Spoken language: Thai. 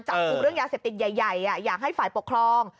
จับกลุ่มเรื่องยาเสพติดใหญ่อยากให้ฝ่ายปกครอง